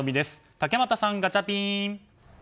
竹俣さん、ガチャピン！